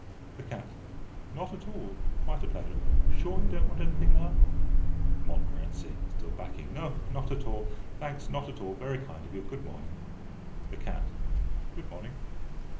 THE CAT: "Not at all—quite a pleasure. Sure you don't want anything, now?" MONTMORENCY (still backing): "Not at all, thanks—not at all—very kind of you. Good morning." THE CAT: "Good morning."